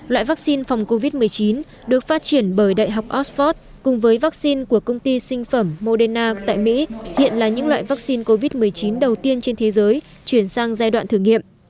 loại vaccine phòng covid một mươi chín được phát triển bởi đại học oxford cùng với vaccine của công ty sinh phẩm moderna tại mỹ hiện là những loại vaccine covid một mươi chín đầu tiên trên thế giới chuyển sang giai đoạn thử nghiệm